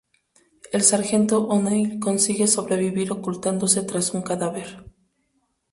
El sargento O'Neil consigue sobrevivir ocultándose tras un cadáver.